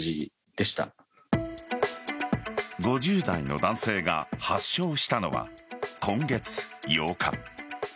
５０代の男性が発症したのは今月８日。